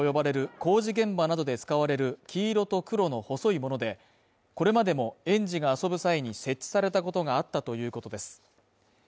トラロープと呼ばれる、工事現場などで使われる黄色と黒の細いもので、これまでも園児が遊ぶ際に設置されたことがあったということです。